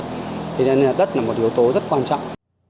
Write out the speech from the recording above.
thế cho nên là đất là một yếu tố rất quan trọng